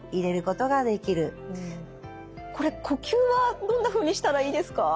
これ呼吸はどんなふうにしたらいいですか？